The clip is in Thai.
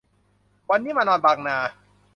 วันนี้มานอนบางนา